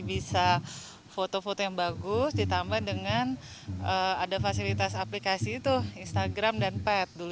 bisa foto foto yang bagus ditambah dengan ada fasilitas aplikasi itu instagram dan pad dulu